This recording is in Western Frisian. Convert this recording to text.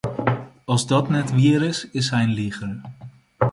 As dat net wier is, is hy in liger.